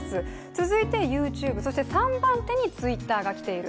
続いてＹｏｕＴｕｂｅ、そして３番手にＴｗｉｔｔｅｒがきている。